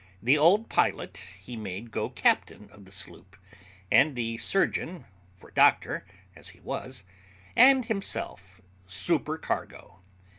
The old pilot he made go captain of the sloop, and the surgeon for doctor, as he was, and himself supercargo.